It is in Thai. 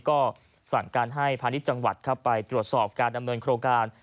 ก็สั่งการให้พาณิชย์จังหวัดไปตรวจสอบการดำเนินโครงการ